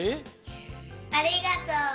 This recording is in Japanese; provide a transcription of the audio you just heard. ありがとう！